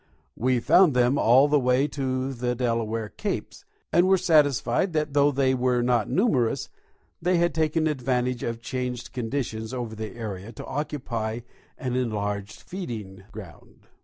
We found them all the way to the Delaware capes, and were satisfied that though they were not numerous they had taken advantage of changed conditions over the area to occupy an enlarged feeding ground.